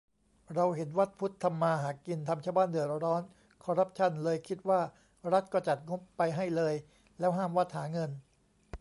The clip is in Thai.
เราเห็นวัดพุทธทำมาหากิน ทำชาวบ้านเดือดร้อน คอรัปชั่น เลยคิดว่า รัฐก็จัดงบไปให้เลย แล้วห้ามวัดหาเงิน